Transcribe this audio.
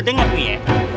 lo denger gak gue ya